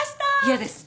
嫌です。